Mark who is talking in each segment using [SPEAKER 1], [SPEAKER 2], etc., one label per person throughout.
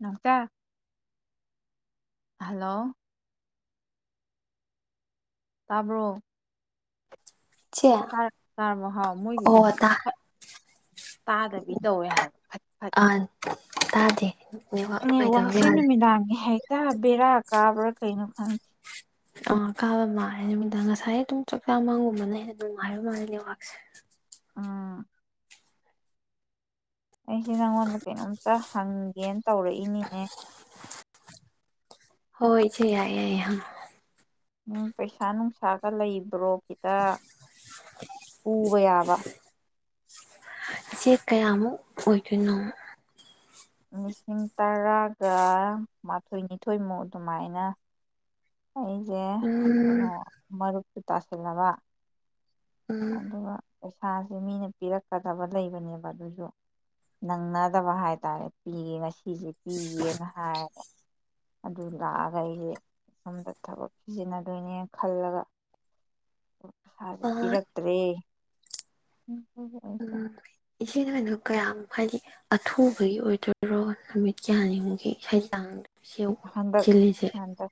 [SPEAKER 1] ꯅꯥꯎꯆꯥ hello ꯇꯥꯕ꯭ꯔꯣ
[SPEAKER 2] [unintelligible]
[SPEAKER 1] ꯇꯥꯔꯦ ꯇꯥꯔꯕꯣ ꯍꯥꯎ ꯃꯣꯏꯒꯤ
[SPEAKER 2] ꯑꯣ ꯇꯥ
[SPEAKER 1] ꯇꯥꯗꯕꯤ ꯇꯧꯋꯦ ꯍꯥꯏꯕ ꯐꯠ ꯐꯠ
[SPEAKER 2] ꯑꯥ ꯇꯥꯗꯦ ꯅꯦꯠꯋꯥꯛ ꯅꯨꯡꯉꯥꯏꯇꯕ
[SPEAKER 1] ꯅꯦꯠꯋ꯭ꯔꯥꯛꯁꯦ
[SPEAKER 2] ꯃꯥꯜꯂꯦ
[SPEAKER 1] ꯅꯨꯃꯤꯗꯥꯡꯒꯤ ꯍꯦꯛꯇ ꯕꯦꯔꯥ ꯀꯥꯕ꯭ꯔ ꯀꯩꯅꯣ ꯈꯪꯗꯦ
[SPEAKER 2] ꯑꯥ ꯀꯥꯕ ꯃꯥꯜꯂꯦ ꯅꯨꯃꯤꯗꯥꯡ ꯉꯁꯥꯏ ꯑꯗꯨꯝ ꯆꯥꯛ ꯆꯥ ꯃꯥꯡꯒꯨꯝꯕꯅ ꯍꯦꯟꯅ ꯅꯨꯡꯉꯥꯏꯕ ꯃꯥꯜꯂꯦ ꯅꯦꯠꯋꯥꯛꯁꯦ
[SPEAKER 1] ꯎꯝ ꯑꯩꯁꯦ ꯅꯪꯉꯣꯟꯗ ꯀꯩꯅꯣꯝꯇ ꯍꯪꯒꯦꯟ ꯇꯧꯔꯛꯏꯅꯤꯅꯦ
[SPEAKER 2] ꯍꯣꯏ ꯍꯣꯏ ꯏꯆꯦ ꯌꯥꯢ ꯌꯥꯏ ꯍꯪꯉꯣ
[SPEAKER 1] ꯎꯝ ꯄꯩꯁꯥ ꯅꯨꯡꯁꯥꯒ ꯂꯩꯕ꯭ꯔꯣ ꯈꯤꯠꯇ ꯄꯨꯕ ꯌꯥꯕ
[SPEAKER 2] ꯏꯆꯦ ꯀꯌꯥꯃꯨꯛ ꯑꯣꯏꯗꯣꯏꯅꯣ
[SPEAKER 1] ꯂꯤꯁꯤꯡ ꯇꯔꯥꯒ ꯃꯥꯊꯣꯏꯅꯤꯊꯣꯏꯃꯨꯛ ꯑꯗꯨꯃꯥꯏꯅ ꯑꯩꯖꯦ ꯀꯩꯅꯣ
[SPEAKER 2] ꯎꯝ
[SPEAKER 1] ꯃꯔꯨꯞꯇꯨ ꯇꯥꯁꯅꯕ
[SPEAKER 2] ꯎꯝ
[SPEAKER 1] ꯑꯗꯨꯒ ꯄꯩꯁꯥꯁꯦ ꯃꯤꯅ ꯄꯤꯔꯛꯀꯗꯕ ꯂꯩꯕꯅꯦꯕ ꯑꯗꯨꯖꯨ ꯅꯪꯅꯗꯕ ꯍꯥꯏꯇꯥꯔꯦ ꯄꯤꯒꯦ ꯉꯁꯤꯁꯦ ꯄꯤꯒꯦꯅ ꯍꯥꯏꯔꯒ ꯑꯗꯨ ꯂꯥꯛꯑꯒ ꯑꯩꯁꯦ ꯁꯣꯝꯗ ꯊꯕꯛ ꯁꯤꯖꯤꯟꯅꯗꯣꯏꯅꯦ ꯈꯜꯂꯒ ꯄꯁꯥꯁꯦ
[SPEAKER 2] ꯑꯥ
[SPEAKER 1] ꯄꯤꯔꯛꯇ꯭ꯔꯦ ꯎꯝ [unintelligible]
[SPEAKER 2] ꯏꯆꯦꯅꯪꯗꯣ ꯀꯌꯥꯃꯨꯛ ꯍꯥꯏꯗꯤ ꯑꯊꯨꯕꯒꯤ ꯑꯣꯏꯗꯣꯏꯔꯣ ꯅꯨꯃꯤꯠ ꯀꯌꯥꯅꯤꯃꯨꯒꯤ ꯍꯩꯖꯥꯡ ꯁꯎ [unintelligible]
[SPEAKER 1] ꯍꯟꯗꯛ
[SPEAKER 2] ꯊꯤꯂꯤꯖꯦ
[SPEAKER 1] ꯍꯟꯗꯛ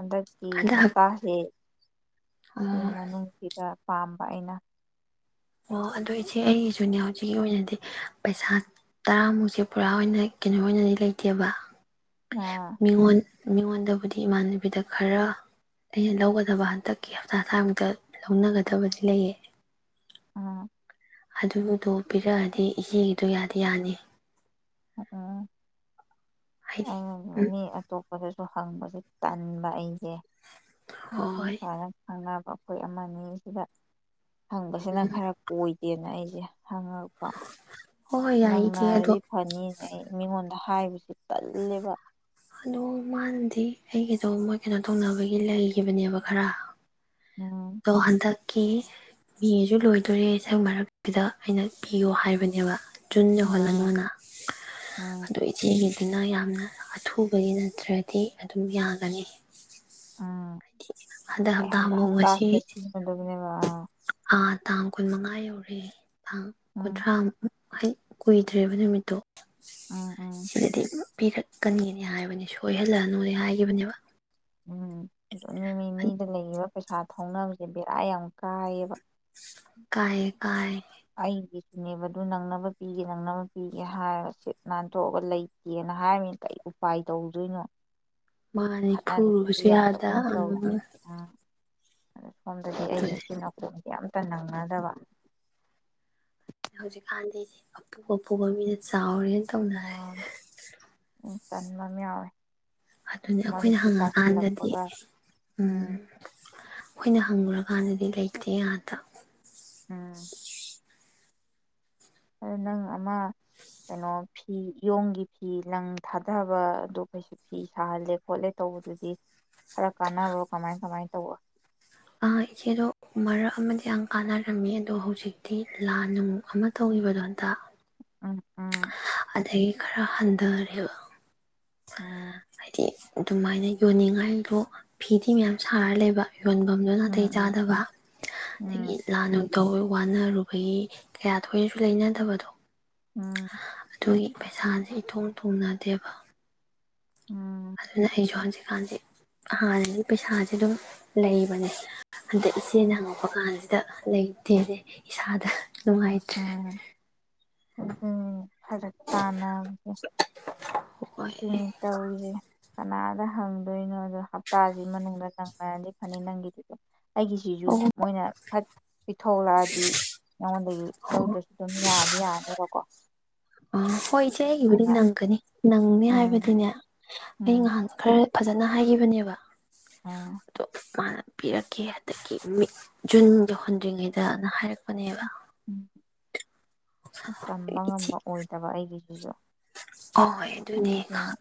[SPEAKER 1] ꯍꯟꯗꯛꯀꯤ ꯍꯞꯇꯥꯁꯦ ꯁꯤ
[SPEAKER 2] ꯑꯣ
[SPEAKER 1] ꯃꯅꯨꯡꯁꯤꯗ ꯄꯥꯝꯕ ꯑꯩꯅ
[SPEAKER 2] ꯑꯣ ꯑꯗꯨ ꯏꯆꯦ ꯑꯩꯒꯤꯖꯨꯅꯦ ꯍꯧꯖꯤꯛꯀꯤ ꯑꯣꯏꯅꯗꯤ ꯄꯩꯁꯥ ꯇꯔꯥꯃꯨꯛꯁꯦ ꯄꯨꯔꯥ ꯑꯣꯏꯅ ꯀꯩꯅꯣ ꯑꯣꯏꯅꯗꯤ ꯂꯩꯇꯦꯕ
[SPEAKER 1] ꯑꯥ
[SPEAKER 2] ꯃꯤꯉꯣꯟ ꯃꯤꯉꯣꯟꯗꯕꯨꯗꯤ ꯏꯃꯥꯟꯅꯕꯤꯗ ꯈꯔ ꯑꯩꯅ ꯂꯧꯒꯗꯕ ꯍꯟꯗꯛꯀꯤ ꯍꯞꯇꯥ ꯊꯥꯡꯃꯛꯇ ꯂꯧꯅꯒꯗꯕꯗꯤ ꯂꯩꯌꯦ
[SPEAKER 1] ꯑꯥ
[SPEAKER 2] ꯑꯗꯨꯗꯣ ꯄꯤꯔꯛꯑꯗꯤ ꯏꯆꯦꯒꯤꯗꯣ ꯌꯥꯗꯤ ꯌꯥꯅꯤ
[SPEAKER 1] ꯎꯝ
[SPEAKER 2] ꯍꯥꯏꯗꯤ
[SPEAKER 1] ꯑꯩꯅꯖꯨ
[SPEAKER 2] ꯎꯝ
[SPEAKER 1] ꯃꯤ ꯑꯇꯣꯞꯄꯗꯁꯨ ꯐꯪꯕꯁꯦ ꯇꯟꯕ ꯑꯩꯖꯦ [unintelligible]
[SPEAKER 2] ꯍꯣꯏ ꯍꯣꯏ
[SPEAKER 1] ꯑꯩꯈꯣꯏ ꯑꯃꯅꯤ ꯁꯤꯗ ꯍꯪꯕꯁꯤꯅ ꯈꯔ ꯀꯣꯏꯗꯦꯅ ꯑꯩꯁꯦ [unintelligible] ꯍꯪꯉꯛꯄ
[SPEAKER 2] ꯍꯣꯏ ꯌꯥꯏ
[SPEAKER 1] ꯅꯪꯅ
[SPEAKER 2] ꯏꯆꯦ ꯑꯗꯣ
[SPEAKER 1] [unintelligible] ꯐꯅꯤꯅꯦ ꯑꯩ ꯃꯤꯉꯣꯟꯗ ꯍꯥꯏꯕꯁꯤ ꯇꯜꯂꯦꯕ
[SPEAKER 2] ꯍꯂꯣꯃꯥꯟꯅꯗꯤ ꯑꯩ ꯒꯤꯗꯣ ꯃꯣꯏ ꯀꯩꯅꯣ ꯇꯧꯅꯕꯒꯤ ꯂꯩꯒꯤꯕꯅꯦꯕ ꯈꯔ
[SPEAKER 1] ꯎꯝ
[SPEAKER 2] ꯑꯗꯣ ꯍꯟꯗꯛꯀꯤ ꯃꯦꯖꯨ ꯂꯣꯏꯗꯣꯔꯦ ꯁ꯭ꯋꯥꯏ ꯃꯔꯛꯁꯤꯗ ꯑꯩꯅ ꯄꯤꯌꯣ ꯍꯥꯏꯕꯅꯦꯕ ꯖꯨꯟ
[SPEAKER 1] ꯎꯝ
[SPEAKER 2] ꯌꯧꯍꯜꯂꯅꯣꯅ
[SPEAKER 1] ꯎꯝ
[SPEAKER 2] ꯑꯗꯨ ꯏꯆꯦꯒꯤ ꯑꯩꯅ ꯌꯥꯝꯅ ꯑꯊꯨꯕꯒꯤ ꯅꯠꯇ꯭ꯔꯗꯤ ꯑꯗꯨꯝ ꯌꯥꯒꯅꯤ
[SPEAKER 1] ꯎꯝ
[SPEAKER 2] ꯍꯥꯏꯗꯤ ꯍꯟꯗꯛ ꯍꯞꯇꯥ ꯑꯃꯨꯛ ꯉꯁꯤ
[SPEAKER 1] ꯑ ꯑ
[SPEAKER 2] ꯑꯥ ꯇꯥꯡ ꯀꯨꯟ ꯃꯉꯥ ꯌꯧꯔꯦ ꯇꯥꯡ
[SPEAKER 1] ꯎꯝ
[SPEAKER 2] ꯀꯨꯟꯊ꯭ꯔꯥ [unintelligible] ꯍꯩ ꯀꯨꯏꯗ꯭ꯔꯦꯕ ꯅꯨꯃꯤꯠꯇꯣ
[SPEAKER 1] ꯎꯝ ꯎꯝ
[SPEAKER 2] ꯁꯤꯗꯤ ꯄꯤꯔꯛꯀꯅꯤꯅꯦ ꯍꯥꯏꯕꯅꯦ ꯁꯣꯏꯍꯜꯂꯛꯑꯅꯨꯅꯦ ꯍꯥꯏꯈꯤꯕꯅꯦꯕ
[SPEAKER 1] ꯎꯝ [unintelligible] ꯃꯤ ꯃꯤꯗ ꯂꯩꯕ ꯄꯩꯁꯥ ꯊꯧꯅꯕꯁꯦ ꯕꯦꯔꯥ ꯌꯥꯝ ꯀꯥꯏꯌꯦꯕ
[SPEAKER 2] ꯀꯥꯏ ꯀꯥꯏ
[SPEAKER 1] ꯑꯩꯒꯤꯁꯨꯅꯦꯕ ꯑꯗꯨ ꯅꯪꯅꯕ ꯄꯤꯒꯦ ꯅꯪꯅꯕ ꯄꯤꯒꯦ ꯍꯥꯏꯔ ꯁꯤ ꯅꯥꯟꯊꯣꯛꯑꯒ ꯂꯩꯇꯦꯅ ꯍꯥꯏꯃꯤꯅꯤꯅ ꯀꯔꯤ ꯎꯄꯥꯏ ꯇꯧꯗꯣꯏꯅꯣ
[SPEAKER 2] ꯃꯥꯅꯦ
[SPEAKER 1] ꯈꯠꯅꯔꯨꯕꯁꯨ
[SPEAKER 2] ꯐꯨꯔꯨꯕꯁꯨ ꯌꯥꯗ
[SPEAKER 1] ꯌꯥꯗꯒꯨꯝ ꯇꯧꯋꯦ
[SPEAKER 2] ꯑꯗꯨ
[SPEAKER 1] ꯑꯥ ꯑꯗꯣ ꯁꯣꯝꯗꯗꯤ ꯑꯩꯩ [unintelligible] ꯌꯥꯝ [unintelligible] ꯅꯪꯅꯗꯕ
[SPEAKER 2] ꯍꯧꯖꯤꯛꯀꯥꯟꯗꯤꯗꯤ ꯑꯄꯨ ꯑꯄꯨꯕ ꯃꯤꯅ ꯆꯥꯎꯔꯦ
[SPEAKER 1] ꯑꯥ ꯎꯝ ꯇꯟꯕ ꯑꯃ ꯌꯥꯎꯋꯦ
[SPEAKER 2] ꯑꯗꯨꯅꯤ ꯑꯩꯈꯣꯏꯅ
[SPEAKER 1] ꯃꯔꯛꯇꯨ
[SPEAKER 2] ꯍꯪꯉꯀꯥꯟꯗꯗꯤ
[SPEAKER 1] ꯇꯥꯁꯤꯜꯂꯛꯄꯒ
[SPEAKER 2] ꯎꯝ ꯑꯩꯈꯣꯏꯅ ꯍꯪꯉꯨꯔ ꯍꯥꯟꯅꯗꯤ ꯂꯩꯇꯦ ꯑꯥꯇ
[SPEAKER 1] ꯎꯝ ꯑꯗꯨ ꯅꯪ ꯑꯃ ꯀꯩꯅꯣ ꯐꯤ ꯏꯌꯣꯡꯒꯤ ꯐꯤ ꯂꯪ ꯊꯥꯗꯕ ꯑꯗꯨ ꯀꯩꯁꯨ ꯐꯤ ꯁꯥꯍꯜꯂꯦ ꯈꯣꯠꯂꯦ ꯇꯧꯕꯗꯨꯗꯤ ꯈꯔ ꯀꯥꯟꯅꯕ꯭ꯔꯣ ꯀꯃꯥꯏ ꯀꯃꯥꯏꯅ ꯇꯧꯕ
[SPEAKER 2] ꯑ ꯏꯆꯦꯗꯣ ꯃꯔꯛ ꯑꯃꯗꯤ ꯌꯥꯝ ꯀꯥꯟꯅꯔꯝꯃꯤ ꯑꯗꯣ ꯍꯧꯖꯤꯛꯇꯤ ꯂꯥꯟ ꯅꯨꯡꯃꯨꯛ ꯑꯃ ꯇꯧꯒꯤꯕꯗꯣ ꯍꯟꯇꯥꯛ
[SPEAKER 1] ꯎꯝ ꯑꯥ
[SPEAKER 2] ꯑꯗꯒꯤ ꯈꯔ ꯍꯟꯊꯔꯦꯕ
[SPEAKER 1] ꯑꯝ
[SPEAKER 2] ꯍꯥꯏꯗꯤ ꯑꯗꯨꯃꯥꯏꯅ ꯌꯣꯟꯅꯤꯡꯉꯥꯏꯗꯣ ꯐꯤꯗꯤ ꯃꯌꯥꯝ ꯁꯥꯔ ꯂꯩꯕ ꯌꯣꯟꯐꯝꯗꯣ ꯅꯥꯇꯩ
[SPEAKER 1] ꯎꯝ
[SPEAKER 2] ꯆꯥꯗꯕ ꯑꯗꯒꯤ
[SPEAKER 1] ꯎꯝ
[SPEAKER 2] ꯂꯥꯟ ꯇꯧꯕꯩ ꯋꯥꯅꯔꯨꯕꯒꯤ ꯀꯌꯥ ꯊꯣꯏꯅꯁꯨ ꯂꯩꯅꯗꯕꯗꯣ
[SPEAKER 1] ꯎꯝ
[SPEAKER 2] ꯑꯗꯨꯒꯤ ꯄꯩꯁꯥꯁꯦ ꯏꯇꯣꯡ ꯇꯣꯡꯅꯗꯦꯕ
[SPEAKER 1] ꯎꯝ
[SPEAKER 2] ꯑꯗꯨꯅ ꯑꯩꯁꯨ ꯍꯧꯖꯤꯛꯀꯥꯟꯁꯦ ꯍꯥꯟꯅꯒꯤ ꯄꯩꯁꯥꯁꯦ ꯑꯗꯨꯝ ꯂꯩꯕꯅꯦ ꯑꯗ ꯏꯆꯦꯅ ꯍꯪꯉꯛꯄ ꯀꯥꯟꯁꯤꯗ ꯂꯩꯇꯦꯅꯦ ꯏꯁꯥꯗ ꯅꯨꯡꯉꯥꯏꯇ꯭ꯔꯦ
[SPEAKER 1] ꯎꯝ ꯎꯝ ꯑꯗꯨꯅꯤ ꯐꯔꯛ ꯇꯥꯅ
[SPEAKER 2] ꯍꯣꯏ
[SPEAKER 1] ꯏꯁꯨꯅꯤ ꯇꯧꯔꯤꯁꯦ ꯀꯅꯥꯗ ꯍꯪꯗꯣꯏꯅꯣ ꯑꯗꯣ ꯍꯞꯇꯥꯁꯤ ꯃꯅꯨꯡꯗ ꯅꯪꯅꯔꯗꯤ ꯐꯅꯤ ꯅꯪꯒꯤꯗꯨꯁꯨ ꯑꯩꯒꯤꯁꯤꯁꯨ ꯃꯣꯏꯅ ꯐꯠ ꯄꯤꯊꯣꯛꯂꯛꯑꯗꯤ ꯅꯉꯣꯟꯗꯒꯤ ꯂꯧꯗꯔꯁꯨ ꯑꯗꯨꯝ ꯌꯥꯅꯤ ꯌꯥꯔꯅꯤꯕꯀꯣ
[SPEAKER 2] ꯑ ꯍꯣꯏ ꯢꯆꯦ ꯑꯩꯒꯤꯕꯨꯗꯤ ꯅꯪꯒꯅꯤ ꯅꯪꯅꯤ
[SPEAKER 1] ꯎꯝ
[SPEAKER 2] ꯍꯥꯏꯕꯗꯤꯅꯦ ꯑꯩ
[SPEAKER 1] ꯎꯝ
[SPEAKER 2] ꯉꯥꯏꯍꯥꯟ ꯈꯔ ꯐꯖꯅ ꯍꯥꯏꯒꯤꯕꯅꯦꯕ
[SPEAKER 1] ꯎꯝ
[SPEAKER 2] ꯃꯥꯅ ꯄꯤꯔꯛꯀꯦ ꯍꯟꯗꯛꯀꯤ ꯃꯦ ꯖꯨꯟ ꯌꯧ ꯍꯨꯟꯗ꯭ꯔꯤꯉꯩꯗꯅ ꯍꯥꯏꯔꯛꯄꯅꯦꯕ꯫
[SPEAKER 1] ꯎꯝ ꯇꯝꯕ ꯉꯝꯕ ꯑꯣꯏꯗꯕ ꯑꯩꯒꯤꯁꯤꯁꯨ꯫
[SPEAKER 2] ꯍꯣꯏ ꯑꯗꯨꯅꯦ꯫
[SPEAKER 1] ꯑꯗꯨꯅ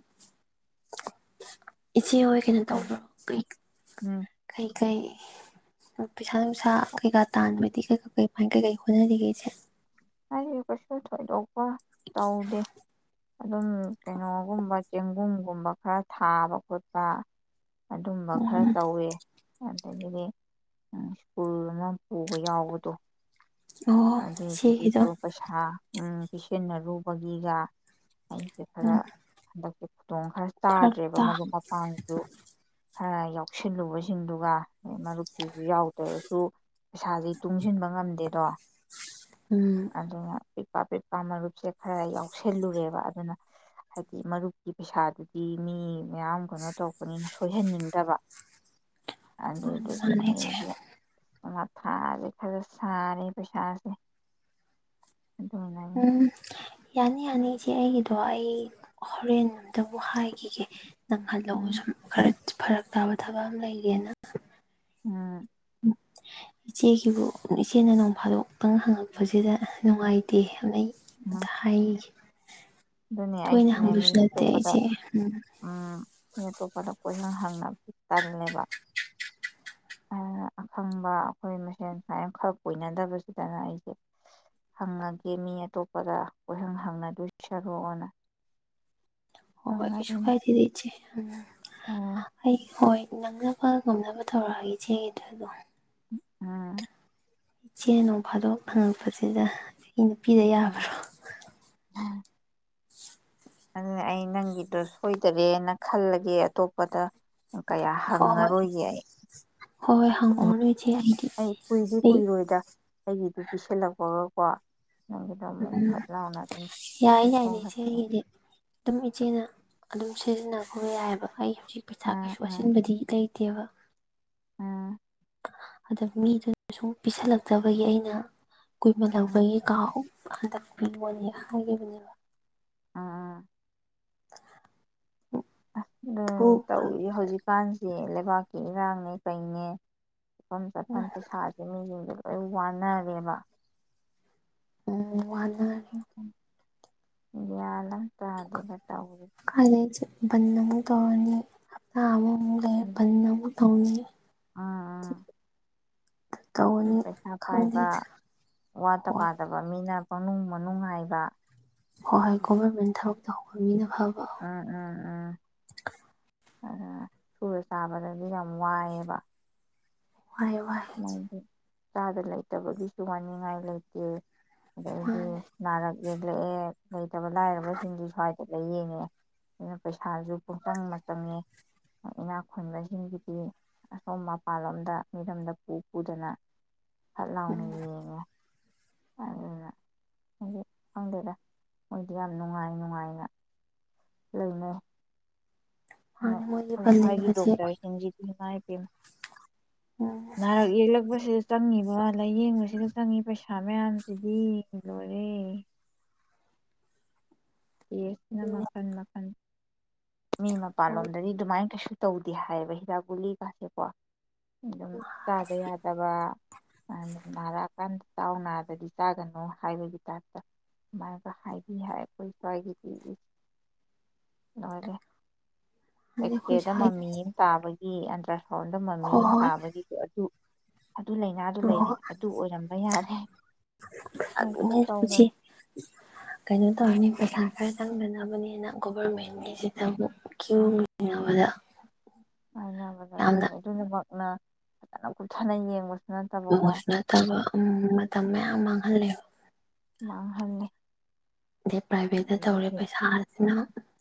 [SPEAKER 2] ꯏꯆꯦ ꯍꫭꯏ ꯀꯩꯅꯣ
[SPEAKER 1] ꯎꯝ
[SPEAKER 2] ꯇꯧꯕ꯭ꯔꯣ ꯀꯩ ꯀꯩ ꯀꯩ꯫ ꯄꯩꯁꯥ ꯅꯨꯡꯁꯥ ꯀꯩꯀꯥ ꯇꯥꯟꯕꯗꯤ ꯀꯩꯀ ꯀꯩ ꯀꯩꯀꯩ ꯍꯣꯠꯅꯔꯤꯒꯦ ꯏ ꯆꯦ꯫
[SPEAKER 1] ꯍꯥꯢꯗꯤ ꯀꯩꯁꯨ ꯊꯣꯏꯗꯣꯛꯄ ꯇꯧꯗꯦ꯫ ꯑꯗꯨꯝ ꯀꯩꯅꯣꯒꯨꯝꯕ ꯆꯦꯡꯒꯨꯝꯒꯨꯝꯕ ꯈꯔ ꯊꯥꯕ ꯈꯣꯠꯄ ꯑꯗꯨꯝꯕ ꯈꯔ
[SPEAKER 2] ꯎꯝ
[SPEAKER 1] ꯇꯧꯋꯦ ꯑꯗꯒꯤꯗꯤ ꯁ꯭ꯀꯨꯜꯅ ꯄꯨꯕ ꯌꯥꯎꯕꯗꯣ
[SPEAKER 2] ꯑꯣ
[SPEAKER 1] ꯗꫭ
[SPEAKER 2] ꯁꯤꯒꯤꯗꫭ
[SPEAKER 1] ꯄꯩꯁꯥ ꯎꯝ ꯄꯤꯁꯤꯟꯅꯔꯨꯕꯒꯤꯒ ꯑꯩꯁꯦ ꯈꯔ ꯍꯟꯗꯛ ꯇꯣꯡ ꯈꯔ
[SPEAKER 2] ꯐꯔꯛ
[SPEAKER 1] ꯆꯥꯗ꯭ꯔꯦꯕ
[SPEAKER 2] ꯇꯥ
[SPEAKER 1] ꯃꯔꯨꯞ ꯃꯄꯥꯡꯁꯨ ꯈꯔ ꯌꯥꯎꯁꯤꯜꯂꯨꯕꯁꯤꯡꯗꯨꯒ ꯃꯔꯨꯞꯁꯤꯁꯨ ꯌꯥꯎꯗ꯭ꯔꯁꯨ ꯄꯩꯁꯥꯁꯦ ꯇꯨꯡꯁꯤꯟꯕ ꯉꯝꯗꯦꯗꯣ꯫
[SPEAKER 2] [unintelligible]
[SPEAKER 1] ꯑꯗꯨꯅ ꯄꯤꯛꯄ ꯄꯤꯛꯄ ꯃꯔꯨꯞꯁꯦ ꯈꯔ ꯌꯥꯎꯁꯜꯂꯨꯔꯦꯕ ꯑꯗꯨꯅ ꯍꯥꯏꯗꯤ ꯃꯔꯨꯞꯀꯤ ꯄꯩꯁꯥꯗꯨꯗꯤ ꯃꯤ ꯃꯌꯥꯝ ꯀꯩꯅꯣ ꯇꯧꯔꯛꯄꯅꯤꯅ ꯁꯣꯏꯍꯟꯅꯤꯡꯗꯕ꯫ ꯑꯗꯨꯗꯨꯒꯤ
[SPEAKER 2] ꯃꯥꯅꯦ ꯏꯆꯦ
[SPEAKER 1] ꯑꯩꯁꯦ ꯃ ꯁꯥꯔꯦ ꯈꯔ ꯁꯥꯔꯦ ꯄꯩꯁꯥꯁꯦ ꯑꯗꯨꯅꯅꯦ
[SPEAKER 2] ꯎꯝ ꯌꯥꯅꯤ-ꯌꯥꯅꯤ ꯏꯆꯦ ꯏ ꯑꯩꯒꯤꯗꯣ ꯑꯩ ꯍꯣꯔꯦꯟ ꯑꯝꯇꯕꯨ ꯍꯥꯏꯈꯤꯒꯦ꯫ ꯅꯪꯍꯜꯂꯛꯑꯣ
[SPEAKER 1] ꯎꯝ
[SPEAKER 2] ꯁꯨꯝ ꯈꯔ ꯐꯔꯛ ꯇꯥꯕ ꯊꯕꯛ ꯑꯃ ꯂꯩꯔꯦꯅ
[SPEAKER 1] ꯎꯝ
[SPEAKER 2] ꯏꯆꯦꯒꯤꯕꯨ ꯏꯆꯦꯅ ꯅꯣꯡꯐꯥꯗꯣꯛꯇꯪ ꯍꯪꯉꯛꯄꯁꯤꯗ ꯅꯨꯡꯉꯥꯏꯇꯦ꯫ ꯑꯗꯨꯅ ꯑꯩ
[SPEAKER 1] ꯎꯝ
[SPEAKER 2] ꯑꯝꯇ ꯍꯥꯏꯈꯤꯒꯦ
[SPEAKER 1] ꯑꯗꯨꯅꯦ ꯑꯩꯁꯨꯅꯦ ꯃꯤ ꯑꯇꯣꯞꯄꯗ
[SPEAKER 2] ꯏꯆꯦ ꯎꯝ
[SPEAKER 1] ꯎꯝ ꯃꯤ ꯑꯇꯣꯞ ꯄꯗ ꯀꯣꯏꯍꯪ ꯍꯪꯅꯕ ꯇꯜꯂꯦꯕ ꯑꯗꯨꯅ ꯑꯈꯪꯕ ꯑꯩꯈꯣꯏ ꯃꯁꯦꯟ ꯁꯨꯃꯥꯏꯅ ꯈꯔ ꯀꯣꯏꯏꯅꯗꯕꯁꯤꯗꯅ ꯑꯩꯁꯦ ꯍꯪꯑꯒꯦ ꯃꯤ ꯑꯇꯣꯞꯄꯗ ꯀꯣꯏꯍꯪ ꯍꯪꯅꯗꯣꯏ ꯁ ꯁꯔꯨꯛꯑꯣꯅ
[SPEAKER 2] ꯍꯣꯏ ꯍꯣꯏ ꯀꯩꯁꯨ
[SPEAKER 1] ꯍꯪꯉꯛꯏꯅꯤ
[SPEAKER 2] ꯀꯥꯏꯗꯦꯗꯤ ꯏꯆꯦ ꯎꯝ
[SPEAKER 1] ꯎꯝ
[SPEAKER 2] ꯑꯩ ꯍꯣꯏ ꯅꯪ [unintelligible] ꯅꯕ ꯇꯧꯔꯛꯑꯒ ꯏꯆꯦꯒꯤꯗꯨ ꯑꯗꯨꯃ
[SPEAKER 1] ꯎꯝ
[SPEAKER 2] ꯏꯆꯦꯅꯥ ꯅꯨꯡ ꯐꯥꯗꯣꯛ ꯍꯪꯉꯛꯄꯁꯤꯗ ꯑꯩ ꯄꯤꯗ
[SPEAKER 1] ꯎꯝ
[SPEAKER 2] ꯌꯥꯕ꯭ꯔꯥ
[SPEAKER 1] ꯑꯗꯨꯅꯦ ꯑꯩ ꯅꯪꯒꯤꯗꯣ ꯁꯣꯏꯗꯔꯦꯅ ꯈꯜꯂꯒꯦ ꯑꯇꯣꯞꯄꯗ ꯀꯌꯥ
[SPEAKER 2] ꯍꯣꯏ ꯍꯣꯏ
[SPEAKER 1] ꯍꯪꯉꯔꯣꯏꯒꯦ ꯑꯩ
[SPEAKER 2] ꯍꯣꯏ ꯍꯣꯏ
[SPEAKER 1] ꯑꯗꯨ
[SPEAKER 2] ꯍꯥꯉꯎꯔꯅꯨ ꯏꯆꯦ
[SPEAKER 1] ꯑꯩ ꯀꯨꯏꯗꯤ
[SPEAKER 2] ꯑꯩ
[SPEAKER 1] ꯀꯨꯏꯔꯣꯏꯗ ꯑꯩꯒꯤꯗꯨ ꯄꯤꯁꯜꯂꯛꯄꯒꯀꯣ ꯅꯪꯒꯤꯗꯣ ꯑꯃꯨꯛ
[SPEAKER 2] ꯎꯝ
[SPEAKER 1] ꯐꯠ ꯂꯥꯎꯅ ꯑꯗꯨꯝ
[SPEAKER 2] ꯌꯥꯏ ꯌꯥꯏꯅꯦ ꯏꯆꯦ
[SPEAKER 1] ꯄꯤꯊꯣꯛꯈ꯭ꯔꯕꯅꯦ
[SPEAKER 2] ꯑꯩꯒꯤꯗꯤ ꯑꯗꯨꯝ ꯏꯆꯦꯅ ꯑꯗꯨꯝ ꯁꯤꯖꯤꯟꯅꯈꯣ ꯌꯥꯏꯑꯦꯕ ꯑꯩ ꯍꯧꯖꯤꯛ ꯄꯩꯁꯥ
[SPEAKER 1] ꯎꯝ
[SPEAKER 2] ꯀꯩꯁꯨ
[SPEAKER 1] ꯎꯝ
[SPEAKER 2] ꯍꯥꯠꯆꯤꯟꯕꯗꯤ ꯂꯩꯇꯦꯕ
[SPEAKER 1] ꯎꯝ
[SPEAKER 2] ꯑꯗ ꯃꯤꯗꯨꯅ ꯁꯨꯝ ꯄꯤꯁꯜꯂꯛꯇꯕꯒꯤ ꯑꯩꯅ
[SPEAKER 1] ꯎꯝ
[SPEAKER 2] ꯀꯨꯏꯃꯥꯟꯂꯥꯛꯄꯒꯤ ꯀꯥꯑꯣꯕ ꯍꯟꯗꯛ ꯄꯤꯌꯣ [unintelligible] ꯍꯥꯏꯒꯤꯕꯅꯦꯕ
[SPEAKER 1] ꯎꯝ ꯎꯝ
[SPEAKER 2] [inaudible]
[SPEAKER 1] ꯑꯗꯨꯝ
[SPEAKER 2] ꯐꯨꯅ
[SPEAKER 1] ꯇꯧꯏ ꯍꯧꯖꯤꯛꯀꯥꯟ ꯁꯤ ꯂꯩꯕꯥꯛꯀꯤ ꯏꯔꯥꯡꯅꯦ ꯀꯩꯅꯦ ꯃꯐꯝ ꯆꯥꯐꯝ ꯄꯩꯁꯥꯁꯦ ꯃꯤ ꯌꯦꯡ [unintelligible] [unintelligible] ꯋꯥꯟꯅꯔꯦꯕ
[SPEAKER 2] [unintelligible]
[SPEAKER 1] [unintelligible]
[SPEAKER 2] ꯀꯥꯏꯗꯩ
[SPEAKER 1] [unintelligible]
[SPEAKER 2] ꯕꯟ ꯑꯃꯨ ꯇꯧꯔꯅꯤ ꯍꯞꯇꯃꯨꯛ [unintelligible] ꯇꯧꯅꯤ
[SPEAKER 1] ꯑꯥ ꯑꯥ
[SPEAKER 2] ꯇꯧꯔꯅꯤ
[SPEAKER 1] ꯄꯩꯁꯥ ꯄꯥꯏꯕ
[SPEAKER 2] ꯈꯪꯗꯦꯗ
[SPEAKER 1] ꯋꯥꯠꯇ
[SPEAKER 2] ꯍꯣꯏ
[SPEAKER 1] ꯄꯥꯗꯕ ꯃꯤꯅ ꯃꯅꯨꯡ ꯃꯅꯨꯡꯍꯥꯏꯕ
[SPEAKER 2] ꯍꯣꯏ ꯍꯣꯏ ꯒꯣꯚꯔꯃꯦꯟ ꯊꯕꯛ ꯇꯍꯧꯕ ꯃꯤꯅ ꯐꯕ
[SPEAKER 1] ꯎꯝ ꯎꯝ ꯎꯝ ꯑꯗꯨ ꯁꯨꯔ ꯆꯥꯕꯗꯗꯤ ꯌꯥꯝ ꯋꯥꯏꯑꯦꯕ
[SPEAKER 2] ꯋꯥꯏ ꯋꯥꯏ ꯆꯦ
[SPEAKER 1] ꯃꯣꯏꯗꯤ ꯆꯥꯗ ꯂꯩꯇꯕꯒꯤꯁꯨ ꯋꯥꯅꯤꯡꯉꯥꯏ ꯂꯩꯇꯦ ꯑꯗꯩꯗꯤ
[SPEAKER 2] ꯃꯥꯅꯦ
[SPEAKER 1] ꯅꯥꯔꯛ ꯌꯦꯛꯂꯛꯑꯦ ꯂꯩꯇꯕ ꯂꯥꯏꯔꯕꯁꯤꯡꯗꯤ ꯁ꯭ꯋꯥꯏꯗ ꯂꯥꯌꯦꯡꯉꯦ꯫ ꯄꯩꯁꯥꯁꯨ ꯄꯨꯡꯆꯪꯗ ꯆꯪꯏ꯫ ꯏꯅꯥꯛ ꯈꯨꯟꯕꯁꯤꯡꯒꯤꯗꯤ ꯑꯁꯣꯝ ꯃꯄꯥꯟꯂꯣꯝꯗ ꯃꯤꯔꯝꯗ ꯄꯨꯄꯨꯗꯅ꯫ ꯐꯠ ꯂꯥꯎꯅ
[SPEAKER 2] ꯎꯝ
[SPEAKER 1] ꯌꯦꯡꯉꯦ꯫ ꯑꯗꯨꯅ ꯍꯥꯏꯗꯤ ꯈꯪꯗꯦꯗ ꯃꯣꯏꯗꯤ ꯌꯥꯝ ꯅꯨꯡꯉꯥꯏ ꯅꯨꯡꯉꯥꯏꯅ ꯂꯩꯅꯩ꯫ ꯑꯁ
[SPEAKER 2] ꯃꯥꯅꯦ ꯃꯣꯏꯒꯤ
[SPEAKER 1] ꯑꯩꯈꯣꯏ
[SPEAKER 2] ꯕꯟ
[SPEAKER 1] ꯁ꯭ꯋꯥꯏꯒꯤ
[SPEAKER 2] ꯂꯩꯕꯁꯦ
[SPEAKER 1] ꯗꯣꯛꯇꯔꯁꯤꯡꯖꯤꯗꯤ ꯏꯃꯢ ꯄꯦꯝꯃ
[SPEAKER 2] ꯎꯝ
[SPEAKER 1] ꯅꯥꯔꯛ ꯌꯦꯛꯂꯛꯄꯁꯤꯗ ꯆꯪꯉꯤꯕ ꯂꯥꯏꯌꯦꯡꯕꯁꯤꯗ ꯆꯪꯏ ꯄꯩꯁꯥ ꯃꯌꯥꯝꯁꯤꯗꯤ ꯂꯣꯏꯔꯦ꯫ ꯥꯇꯦꯁꯅ
[SPEAKER 2] ꯑꯗꯨꯅꯦ
[SPEAKER 1] ꯃꯈꯟ ꯃꯈꯟ꯫ ꯃꯤ
[SPEAKER 2] ꯍꯣꯏ
[SPEAKER 1] ꯃꯄꯥꯜꯂꯣꯝꯗꯗꯤ ꯑꯗꯨꯃꯥꯏ ꯀꯩꯁꯨ ꯇꯧꯗꯦ ꯍꯥꯏꯌꯦꯕ ꯍꯤꯗꯥꯛ ꯒꯨꯂꯤꯒꯥꯁꯦꯀꯣ꯫ ꯑꯗꯨꯝ ꯆꯥꯗ ꯌꯥꯗꯕ ꯅꯥꯔꯛꯑꯀꯥꯟꯗ ꯆꯥꯎ ꯅꯥꯗꯗꯤ ꯆꯥꯒꯅꯨ ꯍꯥꯏꯕꯒꯤ ꯇꯥꯏꯞꯇ ꯑꯗꯨꯃꯥꯏꯅꯒ ꯍꯥꯏꯕꯤ ꯍꯥꯏ ꯑꯩꯈꯣꯏ ꯁ꯭ꯋꯥꯏꯒꯤꯗꯤ [unintelligible] ꯂꯣꯏꯔꯦ꯫ [unintelligible]
[SPEAKER 2] ꯅꯍꯥꯟꯅꯦ ꯑꯩꯈꯣꯏ
[SPEAKER 1] ꯗ
[SPEAKER 2] ꯁ꯭ꯋꯥꯏꯒꯤ
[SPEAKER 1] ꯃꯃꯤꯨ ꯑꯝ ꯇꯥꯕ [unintelligible] [unintelligible] ꯗ ꯃꯃꯤ
[SPEAKER 2] ꯍꯣꯏ
[SPEAKER 1] ꯑꯃ
[SPEAKER 2] ꯍꯣꯏ
[SPEAKER 1] ꯇꯥꯕꯒꯤꯁꯨ ꯑꯗꯨ ꯑꯗꯨ ꯂꯥꯏꯅꯥꯗꯨ ꯂꯩꯔꯦ ꯑꯗꯨ ꯑꯣꯏꯔꯝꯕ ꯌꯥꯔꯦ [inaudible] ꯍꯦꯛꯇ ꯇꯧꯔꯦ
[SPEAKER 2] [unintelligible] ꯀꯩꯅꯣꯇꯧꯔꯅꯤ ꯄꯩꯁ ꯆꯪꯗꯅꯕꯅꯦꯅ ꯒꯣꯕꯔꯃꯦꯟꯒꯤꯁꯤꯅ ꯑꯃꯨꯛ ꯀ꯭ꯌꯨ ꯂꯦꯡꯅꯕꯗ꯫ [inaudible]
[SPEAKER 1] ꯑꯅꯕꯗꯥ ꯑꯗꯨꯅꯦ ꯑꯗꯨꯅꯃꯛꯅ ꯐꯖꯅ ꯀꯨꯞꯊꯅ ꯌꯦꯡꯕꯁꯨ ꯅꯠꯇꯕꯀꯣ
[SPEAKER 2] [unintelligible] ꯅꯠꯇꯕ ꯃꯇꯝ ꯃꯌꯥꯝ ꯃꯥꯡꯍꯂꯦꯕ꯫
[SPEAKER 1] [unintelligible]
[SPEAKER 2] ꯑꯗꯩ ꯄ꯭ꯔꯥꯏꯚꯦꯠꯇ ꯇꯧꯔꯦ
[SPEAKER 1] ꯑꯗꯒꯤꯗꯤ
[SPEAKER 2] ꯄꯩꯁꯥꯁꯤꯅ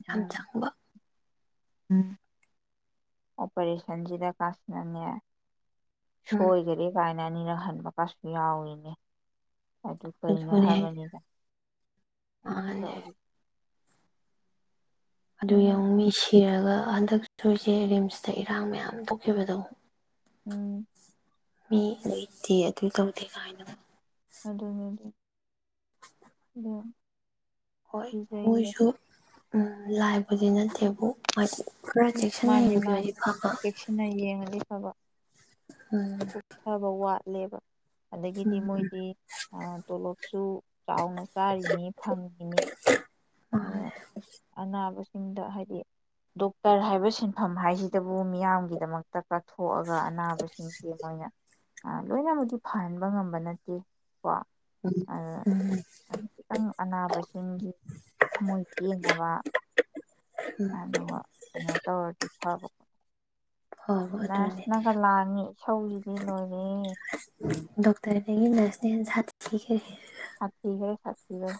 [SPEAKER 2] ꯌꯥꯝ
[SPEAKER 1] ꯎꯝ
[SPEAKER 2] ꯆꯪꯕ꯫
[SPEAKER 1] ꯎꯝ꯫ ꯑꯣꯄꯔꯦꯁꯟꯁꯤꯗ ꯀꯥꯁꯤꯅꯅꯦ
[SPEAKER 2] ꯎꯝ
[SPEAKER 1] ꯁꯣꯏꯒꯔꯦ ꯀꯥꯏꯅ ꯑꯅꯤꯔꯛꯍꯟꯕ ꯀꯥꯁꯨ ꯌꯥꯎꯔꯤꯅꯦ꯫ ꯑꯗꯨ ꯀꯩꯅꯣ
[SPEAKER 2] ꯑꯗꯨꯅꯦ ꯍꯥꯏꯁꯦ
[SPEAKER 1] ꯍꯥꯏꯕꯅꯤꯗ꯫ ꯃꯣꯏ
[SPEAKER 2] ꯃꯥꯡꯍꯜꯂꯦ
[SPEAKER 1] ꯇꯧꯔꯤ
[SPEAKER 2] ꯑꯗꯨ
[SPEAKER 1] ꯑꯗꯨꯅ
[SPEAKER 2] ꯌꯦꯡꯉꯨ ꯃꯤ ꯁꯤꯔꯒ ꯍꯟꯗꯛ ꯁꯣꯏꯁꯦ ꯔꯤꯝꯁꯇ ꯏꯔꯥꯡ ꯃꯌꯥꯝ ꯊꯣꯛꯈꯤꯕꯗꯣ
[SPEAKER 1] ꯎꯝ
[SPEAKER 2] ꯃꯤ ꯂꯩꯇꯦ ꯑꯗꯨ ꯇꯧꯗꯦ ꯀꯥꯏꯅ
[SPEAKER 1] ꯑꯗꯨꯅꯦ ꯑꯗꯨ [unintelligible]
[SPEAKER 2] ꯍꯣꯏ
[SPEAKER 1] ꯀꯤꯖꯩꯌꯦ
[SPEAKER 2] ꯃꯣꯏꯁꯨ ꯎ ꯂꯥꯏꯕꯨꯗꯤ ꯅꯠꯇꯦꯕꯨ ꯈꯔ ꯆꯦꯛꯁꯤꯟꯅ
[SPEAKER 1] ꯃꯥꯅꯤ ꯃꯥꯅꯤ
[SPEAKER 2] ꯌꯦꯡꯕꯤꯔꯗꯤ ꯐꯕ
[SPEAKER 1] ꯆꯦꯛꯁꯤꯟꯅ ꯌꯦꯡꯉꯗꯤ ꯐꯕ
[SPEAKER 2] ꯎꯝ
[SPEAKER 1] ꯀꯨꯞꯊꯕꯋꯥ ꯂꯦꯕ ꯑꯗꯒꯤꯗꯤ
[SPEAKER 2] ꯎꯝ
[SPEAKER 1] ꯃꯣꯏꯗꯤ ꯇꯣꯂꯣꯞꯁꯨ ꯆꯥꯎꯅ ꯆꯥꯔꯤꯅꯤ ꯐꯪꯉꯤꯅꯤ
[SPEAKER 2] ꯃꯥꯅꯦ
[SPEAKER 1] [unintelligible] [unintelligible] ꯍꯥꯏꯗꯤ ꯗꯣꯛꯇꯔ ꯍꯥꯏꯕ ꯁꯤꯟꯐꯝ ꯍꯥꯏꯁꯤꯗꯕꯨ ꯃꯤꯌꯥꯝꯒꯤꯗꯃꯛꯇ ꯀꯠ ꯊꯣꯛꯑꯒ ꯑꯅꯥꯕꯁꯤꯡꯁꯦ ꯃꯣꯏꯅ ꯂꯣꯏꯅꯃꯗꯤ ꯐꯍꯟꯕ ꯉꯝꯕ ꯅꯠꯇꯦ ꯀꯣ
[SPEAKER 2] ꯎꯝ ꯎꯝ
[SPEAKER 1] ꯈꯤꯇꯪ ꯑꯅꯥꯕꯁꯤꯡꯒꯤ ꯊꯃꯣꯏ ꯄꯦꯟꯅꯕ ꯑꯗꯨꯒ ꯀꯩꯅꯣ ꯇꯧꯔꯗꯤ ꯐꯕ
[SPEAKER 2] ꯐꯕ ꯑꯗꯨꯅꯦ
[SPEAKER 1] ꯅꯔꯁꯅꯒ ꯂꯥꯡꯉꯤ ꯏꯁꯧꯖꯤꯗꯤ ꯂꯣꯏꯔꯦ
[SPEAKER 2] [unintelligible] ꯅ꯭ꯔꯁꯅ ꯍꯦꯟ ꯁꯊꯤꯒꯔ꯭ꯦ
[SPEAKER 1] ꯁꯥꯊꯤꯒꯔꯦ ꯁꯥꯊꯤꯒꯔꯦ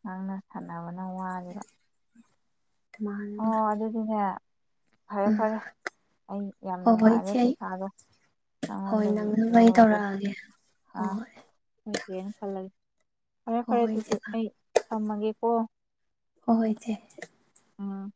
[SPEAKER 1] ꯉꯥꯡꯅ ꯁꯥꯟꯅꯕꯅ ꯋꯥꯔꯤꯕ
[SPEAKER 2] [unintelligible]
[SPEAKER 1] ꯐꯔꯦ
[SPEAKER 2] ꯎꯝ
[SPEAKER 1] ꯐꯔꯦ ꯑꯩ ꯌꯥꯝ
[SPEAKER 2] ꯍꯣꯏ ꯍꯣꯏ
[SPEAKER 1] ꯅꯨꯡꯉꯥꯏꯔꯦ
[SPEAKER 2] ꯏꯆꯦ ꯑꯩ
[SPEAKER 1] ꯄꯩꯁꯥꯗꯣ
[SPEAKER 2] ꯍꯣꯏ
[SPEAKER 1] ꯅꯉꯣꯟꯗꯒꯤ
[SPEAKER 2] ꯅꯪꯅꯕ ꯑꯩ
[SPEAKER 1] ꯂꯧꯔꯒꯦ
[SPEAKER 2] ꯇꯧꯔꯛꯑꯒꯦ
[SPEAKER 1] ꯑꯥ
[SPEAKER 2] ꯍꯣꯏ
[SPEAKER 1] ꯁꯣꯏꯗꯦꯅ ꯈꯜꯂꯒꯦ ꯐꯔꯦ
[SPEAKER 2] ꯍꯣꯏ ꯍꯣꯏ
[SPEAKER 1] ꯐꯔꯦ
[SPEAKER 2] ꯍꯣꯏ
[SPEAKER 1] ꯑꯗꯨꯗꯤ
[SPEAKER 2] ꯏꯆꯦ
[SPEAKER 1] ꯑꯩ ꯊꯝꯃꯒꯦꯀꯣ
[SPEAKER 2] ꯍꯣ ꯍꯣꯏ ꯏꯆꯦ
[SPEAKER 1] ꯎꯝ